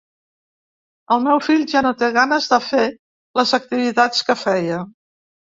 El meu fill ja no té ganes de fer les activitats que feia.